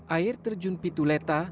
air terjun pituleta